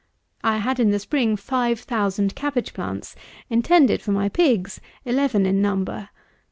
I had in the spring 5000 cabbage plants, intended for my pigs, eleven in number.